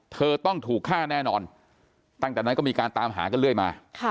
เธอต้องถูกฆ่าแน่นอนตั้งแต่นั้นก็มีการตามหากันเรื่อยมา